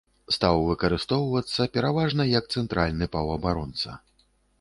Стаў выкарыстоўвацца пераважна як цэнтральны паўабаронца.